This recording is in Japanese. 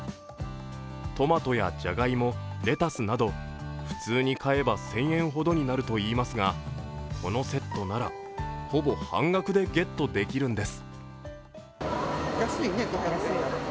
トマトやじゃがいもレタスなど普通に買えば１０００円ほどになるといいますがこのセットなら、ほぼ半額でゲットできるんです。